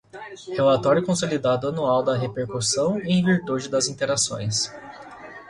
Relatório consolidado anual da repercussão em virtude das interações